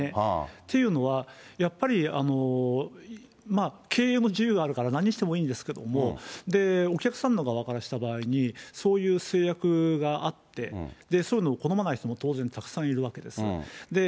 っていうのは、やっぱり経営も自由があるから何してもいいんですけれども、お客さんの側からした場合に、そういう制約があって、そういうのを好まない人も当然たくさんいるわけです。